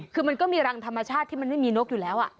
คือมันก็มีรังธรรมชาติที่มันไม่มีนกอยู่แล้ว